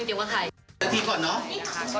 อันนี้มันเยอะเกินหนูไม่รู้จริงว่าใคร